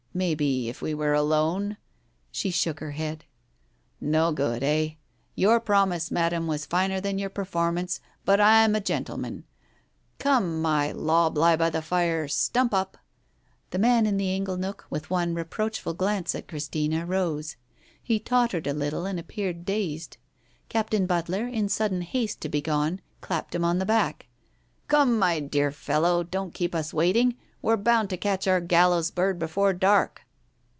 Maybe, if we were alone " She shook her head. "No good, eh? Your promise, Madam, was finer than your performance. But I'm a gentleman. Come, my lob lie by the fire, stump up !" The man in the ingle nook, with one reproachful glance at Christina, rose. He tottered a little, and appeared dazed. Captain Butler, in sudden haste to be gone, clapped him on the* back. "Come, my little fellow, don't keep us waiting. We're bound to catch our gallows bird before dark